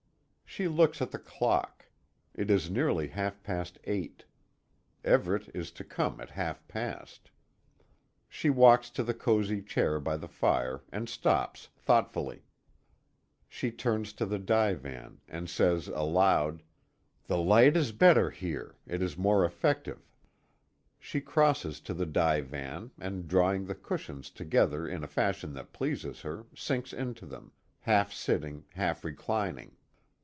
She looks at the clock. It is nearly half past eight. Everet is to come at half past. She walks to the cosy chair by the fire, and stops thoughtfully. She turns to the divan, and says aloud: "The light is better there. It is more effective." She crosses to the divan, and drawing the cushions together in a fashion that pleases her, sinks into them half sitting, half reclining.